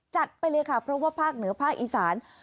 ไปเลยค่ะเพราะว่าภาคเหนือภาคอีสาน